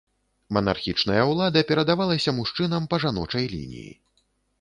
Манархічная ўлада перадавалася мужчынам па жаночай лініі.